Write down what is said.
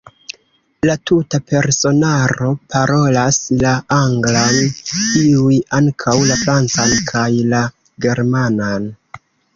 La tuta personaro parolas la anglan, iuj ankaŭ la francan kaj la germanan.